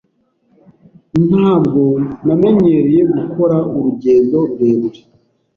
Ntabwo namenyereye gukora urugendo rurerure.